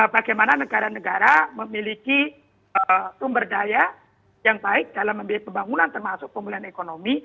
bagaimana negara negara memiliki sumber daya yang baik dalam memilih pembangunan termasuk pemulihan ekonomi